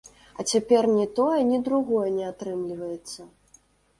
А цяпер ні тое, ні другое не атрымліваецца.